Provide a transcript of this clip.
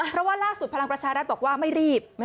เพราะว่าล่าสุดพลังประชารัฐบอกว่าไม่รีบ